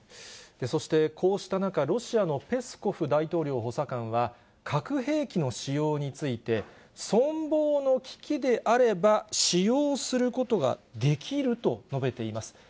そして、こうした中、ロシアのペスコフ大統領補佐官は、核兵器の使用について、存亡の危機であれば使用することができると述べています。